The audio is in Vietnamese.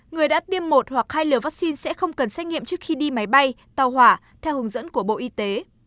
người đã tiêm một hoặc hai liều vaccine sẽ không cần xét nghiệm trước khi đi máy bay tàu hỏa theo hướng dẫn của bộ y tế